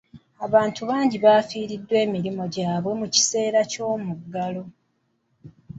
Abantu bangi bafiiriddwa emirimu gyabwe mu kaseera k'omuggalo.